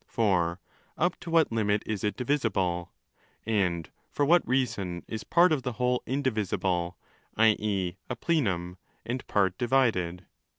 For up to what limit is it divisible? And for what reason is part of the Whole indivisible, i.e. a plenum, and part divided?